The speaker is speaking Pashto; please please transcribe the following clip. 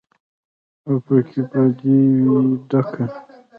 او بګۍ به دې وي ډکه